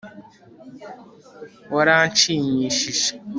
Waranshimishije